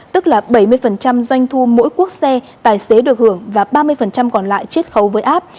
tức là bảy mươi doanh thu mỗi quốc xe tài xế được hưởng và ba mươi còn lại triết khấu với áp